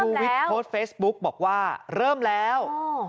วิทย์โพสต์เฟซบุ๊กบอกว่าเริ่มแล้ว